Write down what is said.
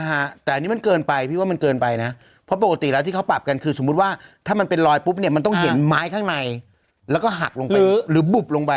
แต่อันนี้มันเกินไปพี่ว่ามันเกินไปนะเพราะปกติแล้วที่เขาปรับกันคือสมมุติว่าถ้ามันเป็นรอยปุ๊บเนี่ยมันต้องเห็นไม้ข้างในแล้วก็หักลงไปหรือบุบลงไป